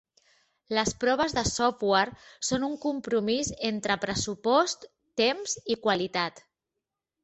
Les proves de software són un compromís entre pressupost, temps i qualitat.